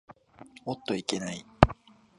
おっといけない。